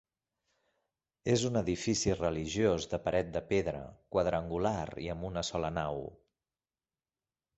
És un edifici religiós de paret de pedra, quadrangular i amb una sola nau.